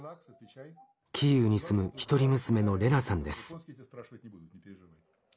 キーウに住む一人娘のレナさんです。